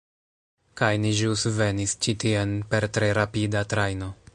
Kaj ni ĵus venis ĉi tien per tre rapida trajno.